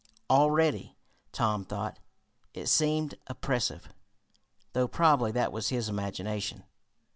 Already, Tom thought, it seemed oppressive, though probably that was his imagination.